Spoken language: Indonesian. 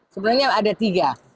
sebenarnya ada tiga